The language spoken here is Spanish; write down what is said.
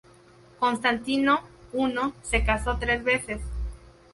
Constantino I se casó tres veces.